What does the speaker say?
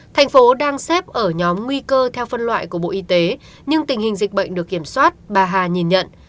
thành phố đang xếp ở nhóm nguy cơ theo phân loại của bộ y tế nhưng tình hình dịch bệnh được kiểm soát bà hà nhìn nhận